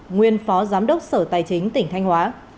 nguyên phó giám đốc sở tài chính tỉnh thanh hóa